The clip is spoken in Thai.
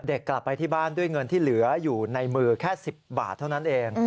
กลับไปที่บ้านด้วยเงินที่เหลืออยู่ในมือแค่๑๐บาทเท่านั้นเอง